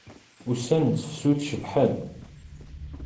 Ussan n tefsut cebḥen.